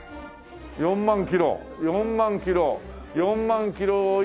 ４万キロ４万キロ４万キロを今の価格で。